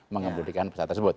mengambilkan pesawat tersebut